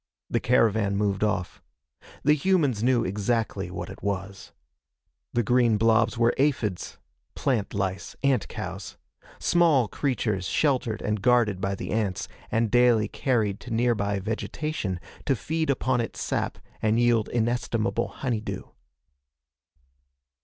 The caravan moved off. The humans knew exactly what it was. The green blobs were aphids plant lice: ant cows small creatures sheltered and guarded by the ants and daily carried to nearby vegetation to feed upon its sap and yield inestimable honeydew.